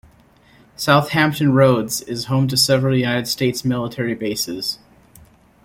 South Hampton Roads is home to several United States military bases.